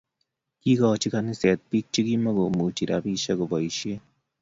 Kikochi kaniset biik chikimko muchi rabisiek koboisie